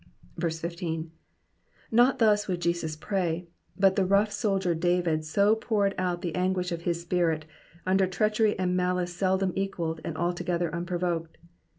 15. Not thus would Jesus pray, but the rough soldier David so poured out the anguish of his spirit, under treachery and malice seldom equalled and altogether unprovoked.